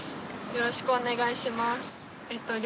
よろしくお願いします。